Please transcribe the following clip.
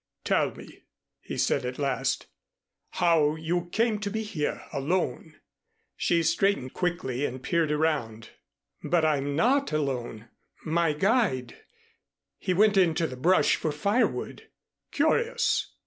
"Tell me," he said at last, "how you came to be here alone." She straightened quickly and peered around. "But I'm not alone my guide he went into the brush for firewood." "Curious!"